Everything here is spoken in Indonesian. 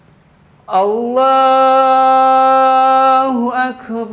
ridulah allah creep